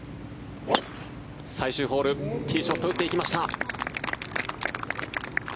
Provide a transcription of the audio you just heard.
最終ホール、ティーショット打っていきました。